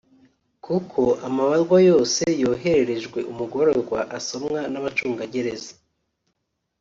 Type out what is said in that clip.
Kuko amabarwa yose yohererejwe umugororwa asomwa n’abacunga gereza